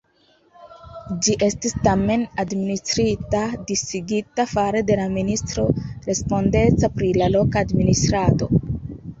Ĝi estis tamen, administrita disigita fare de la ministro respondeca pri la loka administrado.